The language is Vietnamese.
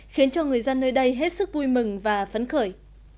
khiến cho người dân nơi đây hết sức vui mừng và phấn khởi